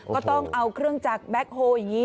ก็ต้องเอาเครื่องจากแบ๊คโฮ